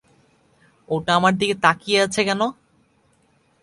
ওটা আমার দিকে তাকিয়ে আছে কেন?